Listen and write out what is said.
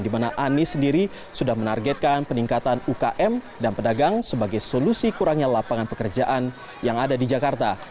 di mana anies sendiri sudah menargetkan peningkatan ukm dan pedagang sebagai solusi kurangnya lapangan pekerjaan yang ada di jakarta